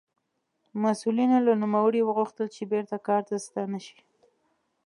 مسوولینو له نوموړي وغوښتل چې بېرته کار ته ستانه شي.